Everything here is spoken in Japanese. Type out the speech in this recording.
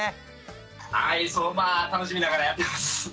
はいそうまあ楽しみながらやってます。